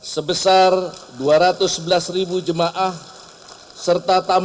sebesar harga yang